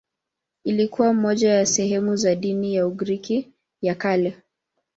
Ilikuwa moja ya sehemu za dini ya Ugiriki ya Kale.